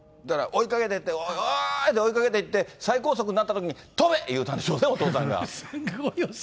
だから追いかけてって、おーいって追いかけていって、最高速になったときに、跳べ！って言うたんでしょうね、お父さんが。